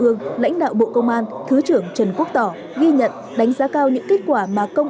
ương lãnh đạo bộ công an thứ trưởng trần quốc tỏ ghi nhận đánh giá cao những kết quả mà công